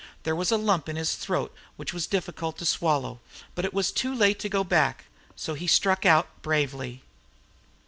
There was a lump in his throat which was difficult to swallow. But it was too late to go back, so he struck out bravely.